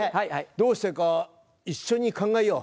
「どうしてか一緒に考えよう。